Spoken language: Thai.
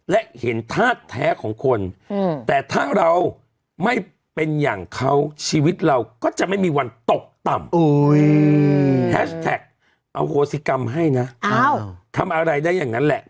และเห็นทาสแท้ของคนแต่ท่างเราไม่เป็นอย่างเขาชีวิตเราก็จะไม่มีวันตกต่ำให้นะเอาทำอะไรได้อย่างนั้นแหละ